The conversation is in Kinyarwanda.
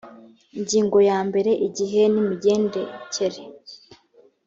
ingingo ya mbere igihe n imigendekere